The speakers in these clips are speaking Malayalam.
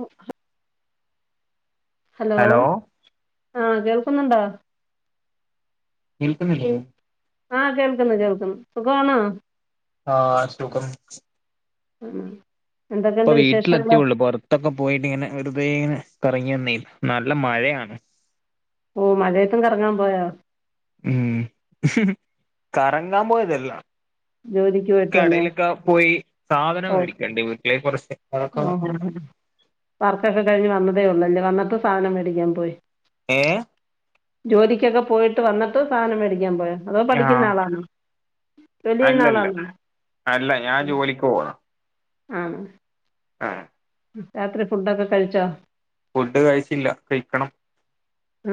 ഓ ആഹ്. ഹലോ ആ കേൾക്കുന്നുണ്ടോ? കേൾക്കുന്നില്ലേ? ആ കേൾക്കുന്നു കേൾക്കുന്നു സുഖവണോ? ആ സുഖം. ഉം. ഇപ്പൊ വീട്ടിലെത്തിയുള്ളൂ പുറത്തൊക്കെ പോയിട്ട് ഇങ്ങനെ വെറുതെ ഇങ്ങനെ. കറങ്ങി വന്നേ നല്ല മഴയാണ്. ഓ മഴയത്തും കറങ്ങാൻ പോയോ? ഉം. കറങ്ങാൻ പോയതല്ലാ. ജോലിക്ക് പോയിട്ട് വന്നയാ കടയിലൊക്കെ പോയി സാധനം മേടിക്കാനുണ്ടെ വീട്ടിലെ കൊറച്ച്. ആ വർക്കൊക്കെ കഴിഞ്ഞ് വന്നതേ ഒ ള്ളൂല്ലേ, വന്നിട്ട് സാധനം മേടിക്കാൻ പോയി. ങേ. ജോലിക്കൊക്കെ പോയിട്ട് വന്നിട്ട് സാധനം മേടിക്കാൻ പോയോ അതോ പഠിക്കുന്ന ആഹ് ആളാണോ? ജോലി ചെയ്യുന്ന അല്ലല്ല, ആളാണോ അല്ല. ഞാൻ ജോലിക്ക് പോണാ. ആണോ. ആഹ്. രാത്രി ഫുഡൊക്കെ കഴിച്ചോ? ഫുഡ് കഴിച്ചില്ല കഴിക്കണം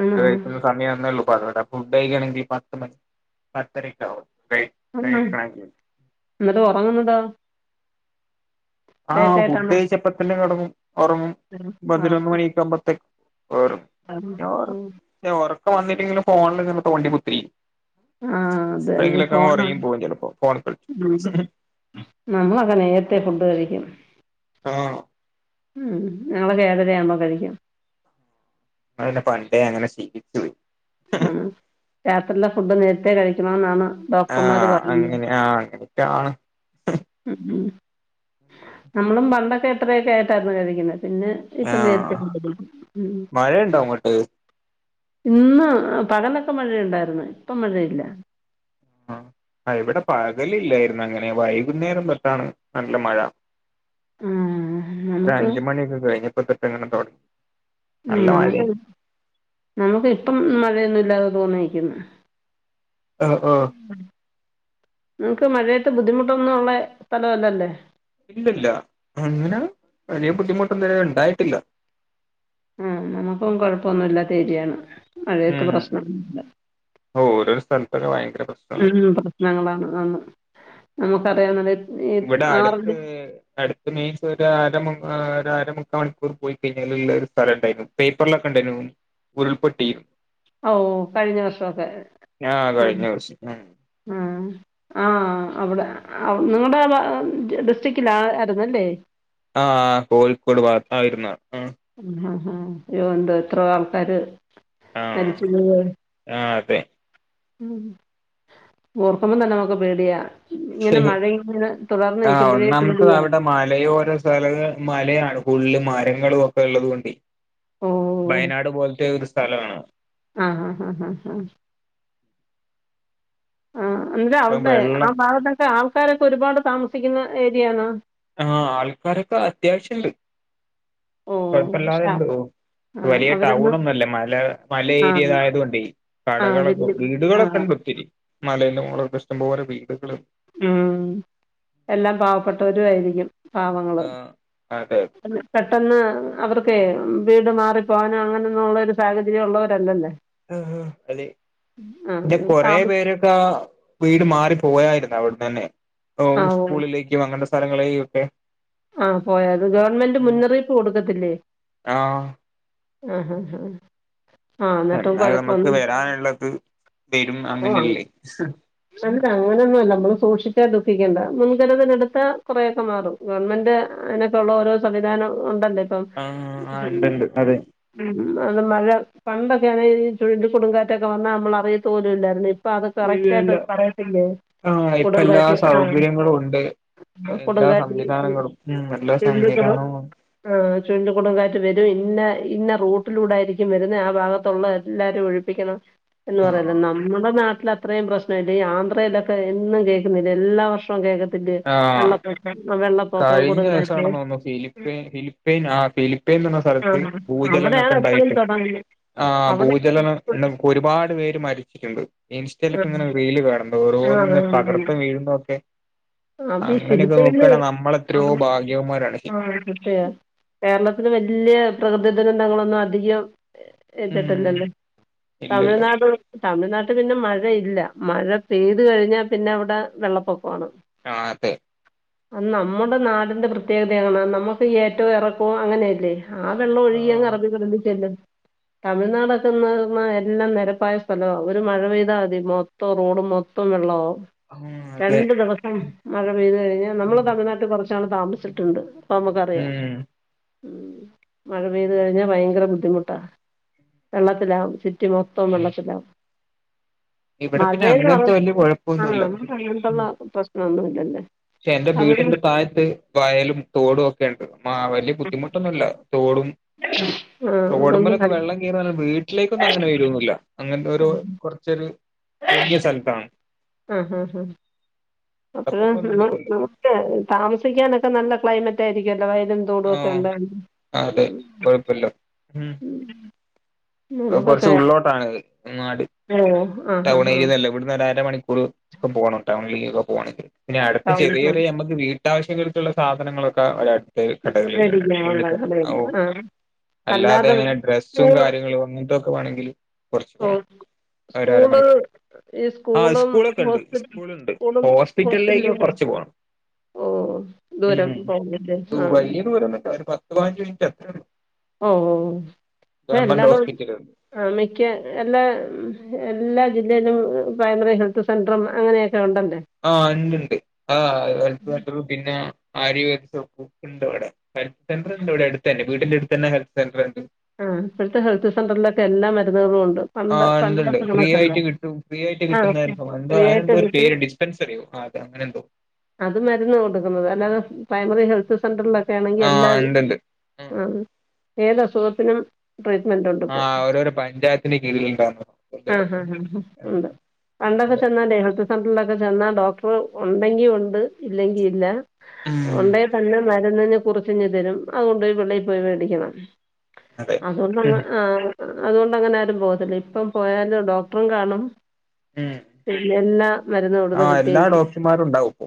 ആണോ കഴിക്കുന്ന സമയവുന്നെ ഉള്ളൂ. വിടെ ഫുഡ്കഴികണെങ്കി പത്ത് മണി പത്തരയ്ക്കാവും. കഴി കഴിക്കണെങ്കി. ഉറങ്ങുന്നതോ? ആഹ് ഫുഡ് കഴിച്ച് അപ്പത്തന്നെ കെടന്ന് ഉറങ്ങും പതിനൊന്ന് ആണോ മണിയൊക്കെ ആവുമ്പോത്തേക്കും. [unintelligible] വന്നിട്ടെങ്കില് ഫോണില്ങ്ങനെ തോണ്ടി കുത്തിരിക്കും. ആ. അതെന്നെ, എപ്പോഴെങ്കിലൊക്കെ അങ്ങ് ഫോണാണ് ഉറങ്ങിയും പോകും ചിലപ്പോ ഫോണിൽ ഉം. കളിച്ച് നമ്മളൊക്കെ നേരത്തെ ഫുഡ് കഴിക്കും. ആ ഉം. ഞങ്ങളൊക്കെ ഏഴരയാവുമ്പോ കഴിക്കും. മ്മള് പിന്നെ പണ്ടേ അങ്ങനെ ശീലിച്ചു പോയി. ഉം രാത്രിയിലെ ഫുഡ് നേരത്തെേ കഴിക്കണോന്നാണ് ഡോക്ടർമാര് ആഹ് പറയുന്നെ. അങ്ങനെ ആഹ് അങ്ങനെയൊക്കെയാണ് ഉം, ഉം. നമ്മളും പണ്ടൊക്കെ എട്ടരയൊക്കെ ആയിട്ടായിരുന്നു കഴിക്കുന്നത് പിന്നെ, ഇപ്പൊ നേരത്തെ ആഹ് ഫുഡ് കഴിക്കും. ഉം. മഴയുണ്ടോ അങ്ങോട്ട് ഇന്ന് പകലൊക്കെ മഴയിണ്ടാരുന്ന്, ഇപ്പൊ മഴയില്ല. ആ ഇവിടെ പകലില്ലായിരുന്ന- ങ്ങനെ. വൈകുന്നേരം തൊട്ടാണ് നല്ല മഴ. ഉം നമുക്ക് ഒരഞ്ച് മണിയൊക്കെ കഴിഞ്ഞപ്പൊ തൊട്ടങ്ങനെ തൊട ഉം. നമുക്ക്, നമുക്ക് ഇപ്പം മഴയൊന്നുംല്ലാതെ തൂങ്ങി നിക്ക്‌ന്ന്. ആ ആ നിങ്ങക്ക് മഴയത്ത് ബുദ്ധിമുട്ടൊന്നും ഉള്ള സ്ഥലല്ലല്ലെ? ഇല്ലല്ല, അങ്ങനെ വലിയ ബുദ്ധിമുട്ടൊന്നും ഇതുവരെ ഇണ്ടായിട്ടില്ല. ആ നമുക്കും കൊഴപ്പൊന്നുമില്ലാത്ത ഏ രിയാണ്. മഴയത്ത് ഉം പ്രശ്നൊന്നുല്ല. ഓരോരോ സ്ഥലത്തൊക്കെ ഭയങ്കര ഉം, പ്രശ്നമാണ് ഉം പ്രശ്നങ്ങളാണ്. ആന്ന് നമുക്കറിയാം [unintelligible] ഇവിടെ അടുത്ത് [unintelligible] അര ഒരര മുക്കാ മണിക്കൂർ പോയി കഴിഞ്ഞാൽള്ള ഒരു സ്ഥലം ണ്ടായിരുന്നു, പേപ്പറിലൊക്കെ ണ്ടായിരുന്നു ഉരുൾപൊട്ടി ഓ കഴിഞ്ഞ വർഷമൊക്കെ. ആഹ് ആ, കഴിഞ്ഞ വർഷം ആ. ആ അവിടെ. നിങ്ങളുടെ ആ ഡിസ്ട്രിക്റ്റില ആ ആരുന്നല്ലേ? ആ കോഴിക്കോട് ഭാഗത്തായിരുന്ന്. ആ ഹാ അയ്യോന്തോ എത്ര ആൾക്കാര് മരിച്ചിരുന്ന പേ ഉം. ഓർക്കുമ്പോ തന്നെ നമുക്ക് പേടിയാ, ഇങ്ങനെ മഴയും ങ്ങനെ ആഹ് ഒന്നാമത്തെ അവിടെ മലയോര സ്ഥല, മലയാണ് കൂടുതല് മരങ്ങ ങ്ങളും ഒക്കെ ഉള്ളതുകൊണ്ടെ ഓ വയനാട് പോലത്തെ ഒരു സ്ഥലമാണ്. ആ ഹാ ഹാ ഹാ ഹാ ആ എന്നിട്ട അപ്പം വിടെ, ആ വെള്ളം ഭാഗത്തൊക്കെ ആൾക്കാരൊക്കെ ഒരുപാട് താമസിക്കുന്ന ഏരിയാണോ? ആ ആൾക്കാരൊക്കെ അത്യാവശ്യണ്ട്, ഓ ആ കൊഴപ്പല്ലാതെണ്ട്‌ തോ ആ, വലിയ ടൗൺ അവരൊന്നും ഒന്നൊല്ല. മല മല ആ ഏരിയതായത് കൊണ്ടേ ആ കടകളൊക്കെ, വലിയ ആ വീടുകളൊക്കെ- ണ്ട്. ത്തിരി. മലേന്റെ മുകളൊക്കെ ഇഷ്ടം പോലെ വീടുകള് ഉം എല്ലാം പാവപ്പെട്ടവരു ആയിരിക്കും. പാവങ്ങള്, ആഹ് അതെ പെട്ടെന്ന് അവർക്കെ വീട് മാറിപ്പോകാനോ അങ്ങനൊന്നും ഉള്ള ഒരു സാഹചര്യം ഉള്ളവരല്ലല്ല. ആ ആ അതെ, പിന്നെ കൊറെ താമ പേരൊക്കെ ആ വീട് മാറി പോയായിരുന്ന് അവിട്ന്നന്നെ. ഇപ്പൊ ആ ഓ സ്കൂളിലേക്കും അങ്ങനെള്ള സ്ഥലങ്ങളിലേക്കൊക്കെ ആ പോയത്, ഗവൺമെന്റ് മുന്നറിയിപ്പ് കൊടുക്കത്തില്ലേ ആഹ് ആ ഹാ ഹാ ആ എന്നിട്ടും എന്നാൽ നമുക്ക് കുഴപ്പമൊന്നും വരാനുള്ളത് വരും അങ്ങനെല്ലേ? ഹ് അത്അങ്ങനൊന്നുഅല്ല. നമ്മള് സൂക്ഷിച്ചാ ദുഃഖിക്കേണ്ട. മുൻകരുതല്എടുത്താ കൊറേക്കെ മാറും, ഗവൺമെന്റ് അ അയ്നൊക്കെ ഉള്ള ഓരോ സംവിധാനം ഉണ്ടല്ലേ ആഹ് ആഹ് ഇണ്ട്ണ്ട് അതെ [unintelligible] അത് മഴ പണ്ടൊക്കെ ആണെ ഈ ചുഴലി കൊടുങ്കാറ്റൊക്കെ വന്നാ നമ്മള് അറിയത്തു പോലുല്ലായിരുന്നു ഇപ്പ അതൊക്കെ കറ [unintelligible] പറയത്തില്ലേ ആ ഇപ്പ എല്ലാ കൊടുങ്കാറ്റ് ആ സൗകര്യങ്ങളും ഉണ്ട്. എല്ലാ കൊടുങ്കാറ്റ് സംവിധാനങ്ങളും ഉം എല്ലാ സംവിധാനവും ആഹ് ചുഴലി കൊടുംങ്കാറ്റ് വരും ഇല്ല ഇന്ന റൂട്ടിലൂടെ ആയിരിക്കും വരുന്ന ആ ഭാഗത്തുള്ള എല്ലാരും ഒഴിപ്പിക്കണം എന്ന് പറയല്ലോ ആഹ് നമ്മുടെ നാട്ടിൽ അത്രയും പ്രശ്ന ആന്ധ്രയിലൊക്കെ എന്നും കേൾക്കുന്നില്ലേ എല്ലാ വർഷവും കേൾക്കത്തില്ലെ ആഹ് വെള്ളപ്പൊക്കം വെള്ള കഴിഞ്ഞ ദിവസാണെന്ന് തോന്നുന്നു ഫിലിപ്പൻ ഫിലിപ്പൈൻ ആ ഫിലിപ്പൈൻ എന്ന് പറഞ്ഞ ആ സ്ഥലത്ത് ഭൂചലനമൊക്കെ ഉണ്ടായി [unintelligible] ആ അവിടെ ഭൂചലനം ഒരുപാട് പേര് മരിച്ചിട്ടുണ്ട് ഇൻസ്റ്റയിലൊക്കെ ഇങ്ങനെ റീല് കാണുന്നുണ്ട് ഓരോന്നിങ്ങനെ തകർത്ത് വീഴുന്നതൊക്കെ ആഹ് അതീ ഫിലിപ്പിയനില് നമ്മളെത്രയോ [unintelligible] ഭാഗ്യവന്മാരാണ് ആ തീർച്ചയായും കേരളത്തില് വല്ല്യെ പ്രകൃതി ദുരന്തങ്ങളൊന്നും അധികം ഉം ഏറ്റിട്ടില്ലല്ലോ ഇല്ലില്ല തമിഴ്നാട് തമിഴ്നാട്ടിൽ പിന്നെ മഴ ഇല്ല മഴ പെയ്ത് കഴിഞ്ഞാൽ പിന്നെ അവിടെ വെള്ളപ്പൊക്കവാണ് ആഹ് അതെ അത് നമ്മുടെ നാടിന്റെ പ്രത്യേകതയാണ് നമ്മുക്ക് ഏറ്റവും ഇറക്കവും അങ്ങനെയല്ലേ ആ വെള്ളം ഒഴുകിയങ്ങ് ആഹ് അറബികടലിൽ ചെല്ലും തമിഴ്നാടൊക്കെ എന്ന് പറഞ്ഞാൽ എല്ലാം നിരപ്പായ സ്ഥലമാ ഒരു മഴ പെയ്താൽ മതി മൊത്തം റോഡും മൊത്തം വെള്ളമാവും ആഹ് അതെ രണ്ട് ദിവസം മഴ പെയ്ത് കഴിഞ്ഞാ നമ്മള് തമിഴ്നാട്ടിൽ കൊറച്ച് നാള് താമസിച്ചിട്ടുണ്ട് അപ്പൊ നമുക്കറിയാം ഉം ഉം മഴ പെയ്ത് കഴിഞ്ഞാൽ ഭയങ്കര ബുദ്ധിമുട്ടാ വെള്ളത്തിലാവും സിറ്റി മൊത്തം വെള്ളത്തിലാവും ഇവിടെ മഴ പിന്നെ അങ്ങനത്തെ വലിയ ആ കുഴപ്പൊന്നുമില്ല നമുക്ക് ഉം അങ്ങനുള്ള പ്രശ്നവൊന്നും ഇല്ലല്ലോ പക്ഷെ എന്റെ വീടിന്റെ താഴത്ത് കായലും തോടും ഒക്കെയുണ്ട് ആ വല്ല്യ ബുദ്ധിമുട്ടൊന്നുമില്ല തോടും ആ അതൊന്നും റോഡുമേലൊക്കെ കളി വെള്ളം കേറിയാലും വീട്ടിലേക്കൊന്നും അങ്ങനെ വരുവൊന്നുമില്ല അങ്ങനത്തെ ഒരു കുറച്ചൊരു പൊങ്ങിയ സ്ഥലത്താണ് ആ ആ ആ അപ്പ അപ്പൊപ്പൊന്നും കേറില്ല നമുക്കേ താമസിക്കാനൊക്കെ ന നല്ല ക്ലൈമറ്റ് ആയിരിക്കുംല്ലോ വയലും തോടും ഒക്കെ ആഹ് ഒണ്ടെങ്കിൽ അതെ കൊഴപ്പില്ല ഉം കൊറച്ച് നമുക്കൊക്കെ ഉള്ളിലോട്ടാണ് നാട് ഓ ആ ഹാ ടൗൺ ഹാ ഏരിയ ഒന്നും അല്ല ഇവിടുന്ന് ഒരു അരമണിക്കൂ പോകണം ടൗണിലേക്ക്‌ പോകണങ്കിൽ പിന്നെ അടുത്ത് ടൗണിൽ ചെറിയ ചെറിയ നമ്മുക്ക് വീട്ട- വിട്ടാ ആവിശങ്ങൾക്കുള്ള സാധനങ്ങളൊക്കെ ഒരാ- കടകളില്ല മേടിക്കാനുള്ള മുന്നിത്തെ കടയില്ല ഓ ആ അല്ലാതെ എങ്ങനെ ഡ്രസ്സും സ്കൂള് കാര്യങ്ങളും- എന്തൊക്കെ വേണെങ്കിൽ കൊറച്ച് ഓ പോണം സ്കൂള് ഒരരമണിക്കൂർ ഈ ആ സ്കൂളും സ്കൂളൊക്കെ ഉണ്ട് ഹോസ് സ്കൂളുണ്ട് സ്കൂളും ഹോസ്പിറ്റലിലേക്കും ഹോസ്റ്ററ്റലിലോക്കെ കുറച്ച് പോണം ഓഹ് ദൂരം ഉം പ [unintelligible] ണ്ട് വലിയ ദൂരം ഒന്നുംയില്ല ഒരു പതിനഞ്ച് മിനിറ്റ് അത്രള്ളൂ ഓഹ് ഓഹ് എല്ലാടോം ഹോസ്പിറ്റലുണ്ട് ആ മിക്ക എല്ലാ എല്ലാ ജില്ലയിലും പ്രൈമറി ഹെൽത്ത് സെന്ററും അങ്ങനെയ ആഹ് ഇണ്ട് ഇണ്ട് [unintelligible] ആ പിന്നെ ആര്യവേദക്ക ഇണ്ട് അവിടെ ഹെൽത്ത് സെന്റർ ഇണ്ട് ഇവിടെ അടുത്ത് തന്നെ വീട്ടന്റെ അടുത്തന്നെ ഹെത്ത് സെൻറ്റർ ആ ഇപ്പോഴത്തെ ഹെൽത്ത് സെന്ററിലൊക്കെ എല്ലാ മരുന്നുകളും ഒണ്ട് ആഹ് ഒണ്ട് ഒണ്ട് ഫ്രീ ആയിട്ട് കിട്ടും ഫ്രീ ആയിട്ട് ആ കിട്ടുന്ന ഫ്രീ എന്താ ആയിട്ട് അന്ത ഒരു കിട്ടും പേര് ഡിസ്പെൻസറി അതെ അങ്ങനെ എന്തോ അത് മരുന്ന് കൊടുക്കുന്നത് അല്ലാതെ പ്രൈമറി ഹെൽത്ത് സെന്ററിലൊക്ക ആണെങ്കിൽ ആ എല്ലാ ഉണ്ടുണ്ട് ആ ഏത് അസുഖത്തിനും ട്രീറ്റ്മെൻറ് ഉണ്ട് ആ ഇപ്പം ഓരോരോ പഞ്ചായത്തിന്റെ കീഴിലുണ്ടാകുന്നതാ ആഹാ ഹ ഉണ്ട് പണ്ടൊക്കെ അതെ ചെന്നാല സെന്ററിലെക്കെ ചെന്നാ ഡോക്ടർ ഒണ്ടെങ്കി ഒണ്ട് ഇല്ലെങ്കിൽ ഇല്ല ഉം ഒണ്ടേ തന്നെ മ- ചെന്ന് കഴിഞ്ഞാൽ കുറിച്ചിഞ് തരും അതുകൊണ്ട് വെളിയിൽ പോയി വെടിക്കണം അതെ അതൊണ്ട് ഉം അ- അതുകൊണ്ട് അങ്ങനെ ആരും പോകത്തില്ല ഇപ്പം പോയാല ഡോക്ടറും കാണും ഉം പിന്നെ എല്ലാ മരുന്ന് ആ ഇവിടുന്ന് കിട്ടേ എല്ലാ ചെയ്യും ഡോക്ടർമാരും ഉണ്ടാവും ഇപ്പൊ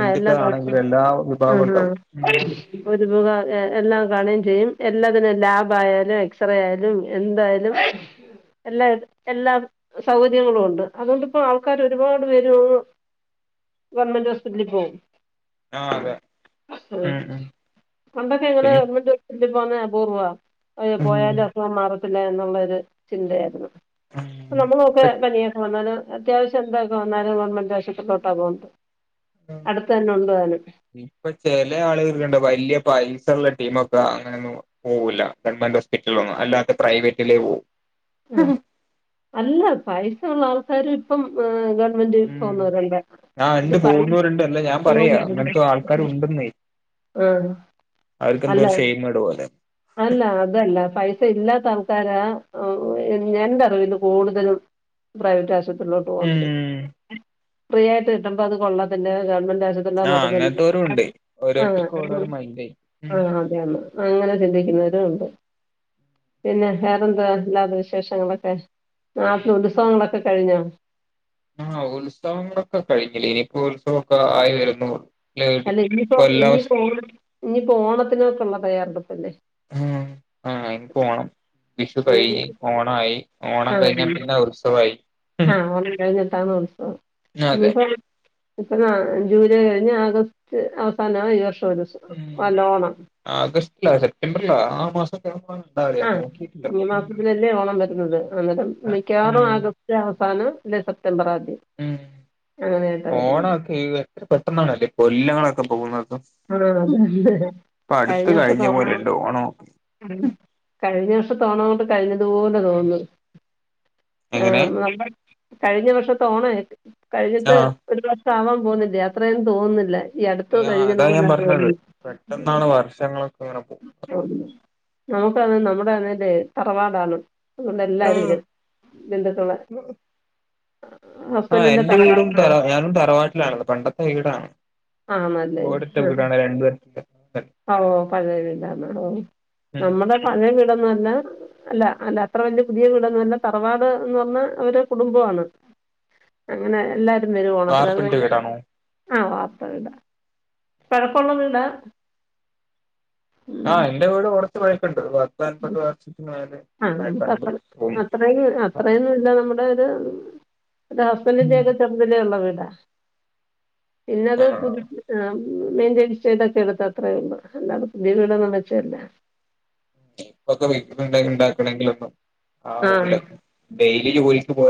ആ എല്ലാം ദേവസും എല്ലാ വിഭാഗം ആഹ ഉണ്ടാവും ഉം ഒരുതുക എല്ലാം കാണുകയും ചെയ്യും എല്ലാത്തിനും ലാബ് ആയാലും എക്സ്റേ ആയാലും എന്തായാലും- എല്ലാ എല്ലാ സൗകര്യങ്ങളും ഉണ്ട് അതുകൊണ്ട്പ്പോ ആൾക്കാർ ഒരുപാട് പേര് ഗവൺമെന്റ് ഹോസ്പിറ്റലിൽ പോവും ആ അതെ ഉം ഉം പണ്ടൊക്കെ എങ്ങനെ പിന്നെ [unintelligible] ഇപ്പോന്ന പൂർവ്വ ഉം പോയാലും അസുഗം മാറാതില്ല ന്നാ ചിന്ത ആയിരുന്ന് ഉം നമ്മള നൊക്കെ പനിയൊക്കെ വന്നല് അത്യാവശ്യം എന്താക്കും വന്നാലും ഗവൺമെന്റ് ആശ്യത്തിരിലോ ട്ടാ പോകന്നത് ഇപ്പൊ ചെില ആളുകൾക്കണ്ട് വല്യ പൈസ ഉള്ള ടീമക്കെ അങ്ങനൊന്നും പോവില്ല ഗവൺമെന്റ് ഹോസ്പിറ്റലൊന്നും അല്ലാത്തെ പ്രൈവറ്റില പോകൂ ആ അല്ല പൈസ ഉള്ള ആൾക്കാരും ഇപ്പം ഗ ഗവണ്മെന്റി ഉം പോന്ന വരണ്ട ആ അത് ഉണ്ട് പൈ പോകുന്നവരുണ്ട് അല്ല ഞാൻ പറയാ അങ്ങനത്തെ ആൾക്കാര് [unintelligible] ഉണ്ടെന്നേ ആ അവർക്ക് എന്തോ അല്ല ഒരു ഷെയിമേട് പോലെ അല്ല അതല്ല പൈസ ഇല്ലാത്ത ആൾക്കാരാ എന്റെ അറിവിൽ കൂടുതലും പ്രൈവറ്റ് ആശുപത്രിയിലോട്ട് പോകന്നാത് ഉം ഫ്രീ ആയിട്ട് കിട്ടുമ്പോ അത് കൊള്ളാ തില്ല ഗവൺമെന്റ് ശത്തുള്ള ആ മരം അങ്ങനത്തോരും തന്ന ഉണ്ട് [unintelligible] ആ ഓരോരുത്തർക്കും ഓരോരോ മൈൻഡായി [unintelligible] ഉം ആ അതെഅതെ ചിന്തിക്കുന്നവരൂണ്ട് പിന്നെ വേറെന്താ ഇല്ലാത വിശേഷങ്ങളൊക്കെ നാപ്പ ഉത്സവങ്ങളൊക്കെ കഴിഞ്ഞോ ആ ഉത്സവങ്ങളൊക്കെ കഴിഞ്ഞില്ലേ ഇനിയിപ്പോ ഉത്സവമൊക്കെ ആയി വരുന്നുള്ളു അല്ല ഇനിയിപ്പോ ഇനിയിപ്പോ ഓണ ഇനിയിപ്പോ ഓണത്തിനൊക്കെ ഉള്ള തയ്യാറെടുപ്പല്ലേ ആ ആ ഇനിപോണം വിഷു ഇനി- കഴിഞ്ഞ് ഓണമായി ഓണം ആ കഴിഞ്ഞാൽ പിന്നെ ഉത്സവയി ആ ഓണം കഴിഞ്ഞിട്ടാാണ് ഉത്സവം അതെ ഇനിപ്പോ ഇപ്പൊ ന്നാ ജൂലൈ കഴിഞ്ഞ് ആഗസ്റ്റ് അവസാനമാണ് ഈ വർഷം ഒരുത്സ വല്ലോഓണം ല്ല സെപ്റ്റംബറില ആ മാസക്കേ ആഹ ഈ മാസത്തിനല്ലേ ഓണം വരുന്നത് അന്നേരം ആ, മിക്കവാറും ആഗസ്റ്റ് അവസാനം ഇല്ല സെപ്റ്റംബറാ ഉ ഓണൊക്കെ എത്ര പെട്ടെന്നണല്ലേ കൊല്ലങ്ങളൊക്കെ പോകുന്നത് ആ അതെതെ ഇപ്പൊ അടുത്ത് കഴിഞ്ഞ വർഷം തോന്ന പോലെണ്ട് ഓണമൊക്കെ കഴിഞ്ഞ വർഷം തോണ കൊണ്ട് കഴിഞ്ഞതുപോലെ തോന്നുന്നു ആ എങ്ങനെ നമ്മ കഴിഞ്ഞ വർഷ തോഓണ ആ കഴിഞ്ഞിട്ട് ഒരു വർഷം ആവാൻ പോുന്നില്ലേ അത്രേന്നും തോന്നുന്നില്ല ഈടുത്തത്ത് ആ അതാ കഴിഞ്ഞതും ഞാൻ പറഞ്ഞത് പെട്ടെന്നാണ് വർഷങ്ങളൊക്കെ ങ്ങനെ പോ [unintelligible] നമുക്കന്ന് നമ്മുടെ അന്നറെ തറവാടാണ് അതുകൊണ്ട് എല്ലരും ഇര് പോകുന്നത് ബന്ധുക്കള്- ആ എന്റെ വീടും തറ ഞാനും തറവാട്ടിലാണ പണ്ടത്തെ വീടാണ് ആ ആണല്ലേ ഓട് ആ ഓ പഴയ വീടന്നോ ഓ ഉം നമ്മുടെ പഴയ വീടന്നോ അല്ല അല്ല അല്ല അത്ര വല്യ പുതിയ വീടൊന്നും അല്ല തറവാട് എന്ന് പറഞ്ഞ അവരുടെ കുടുംബമാണ് അങ്ങനെ എല്ലാരും വരും ഓണത്തിന് അത് വാർപ്പിന്റെ വീടാണോ [unintelligible] ആ വാർത്ത ഇട പഴക്കമുള്ള വീടാ ആ എന്റെ വീട് കുറച്ച് പഴക്കണ്ട് പത്ത് അൻപത് വർഷത്തിന് മേല് ആ നമുക്ക് അത്ര അത്ര അത്രയൊന്നും ഇല്ല നമ്മുടെ ഒരു ഹസ്ബൻഡിന്റെ ഒക്കെ ചെറുതലുള്ള വീടാ പിന്നെത് ആഹ് പുതി ആ മെയിന്റയിൻസ്റ്റ് ചെയ്തൊക്കെ എടുത്തത്രേ ഉള്ളൂ അല്ലാതെ പുതിയ വീടൊന്നും വെച്ച അല്ല ഇപ്പൊക്കെ വെ [unintelligible] ഉണ്ടാക്കണെങ്കിലൊക്കെ ആ ആവൂല ഡെയിലി ജോലിക്ക് പോ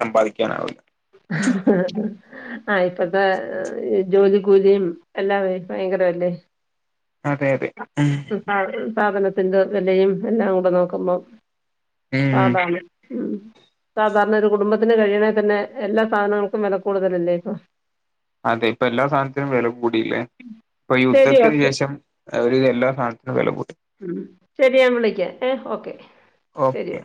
സമ്പാദിക്കാനാവില്ല ആ ആഹ് ഇപ്പത്തെ ജോലി കൂലിയും എല്ലേ ഭയങ്കരമല്ലേ. അതെ അതെ സാധന ത്തിന്റെ വിലയും എല്ലാം കൂടെ നോക്കുമ്പോം ഉം ഉം പാടാണ്. മ്മ് സാധാരണ ഒരു കുടുംബത്തിന് കഴിയണെ തന്നെ. എല്ലാ സാധനങ്ങൾക്കും വില കൂടുതലല്ലേ ഇപ്പൊ. അതെ ഇപ്പൊ എല്ലാ സാധനത്തിനും വില കൂടീലെ ഇപ്പൊ ഈ ശരി യുദ്ധത്തിന് ഓക്കെ ശേഷം ഒരുവിധം എല്ലാ സാധനത്തിനും വില കൂടി. ഉം ശരി ഞാൻ വിളിക്കാ ഏ ഓക്കെ. ഓക്കെ.